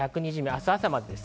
明日朝までです。